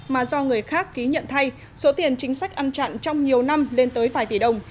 mà do người khác ký nhận thay số tiền chính sách ăn chặn trong nhiều năm lên tới vài tỷ đồng